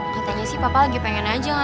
katanya sih papa lagi pengen aja ngantre lo